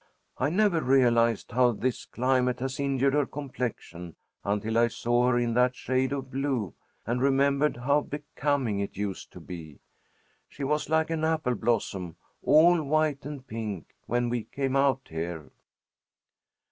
I never realized how this climate has injured her complexion until I saw her in that shade of blue, and remembered how becoming it used to be. She was like an apple blossom, all white and pink, when we came out here."